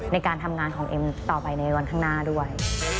ในการทำงานของเอ็มต่อไปในวันข้างหน้าด้วย